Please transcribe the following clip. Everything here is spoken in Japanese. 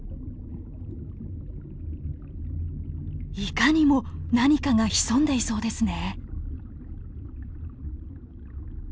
いかにも何かが潜んでいそうですね。